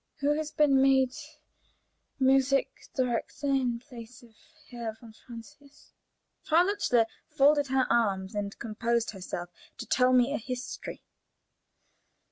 Who has been made musik direktor in place of Herr von Francius?" Frau Lutzler folded her arms and composed herself to tell me a history.